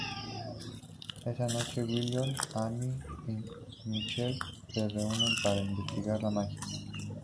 Esa noche, Willow, Amy y Michael se reúnen para investigar la magia.